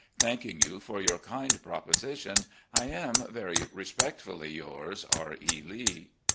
Thanking you for your kind proposition, I am, "Very respectfully yours, "R. E. Lee."